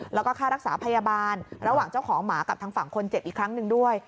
แล้วก็ค่ารักษาพยาบาลระหว่างเจ้าของหมากับทางฝั่งคนเจ็บอีกครั้งหนึ่งด้วย